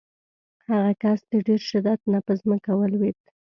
هغه کس د ډېر شدت نه په ځمکه ولویېد.